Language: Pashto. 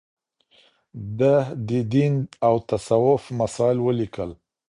ده د دين او تصوف مسايل وليکل